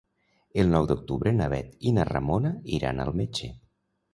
El nou d'octubre na Bet i na Ramona iran al metge.